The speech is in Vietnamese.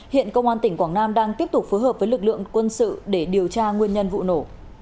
hiện công an tỉnh quảng nam đang tiếp tục phối hợp với lực lượng quân sự để điều tra nguyên nhân vụ nổ